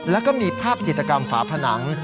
แล้วก็มีภาพจิตกรรมฝาผนัง